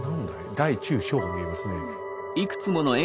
大中小が見えますね。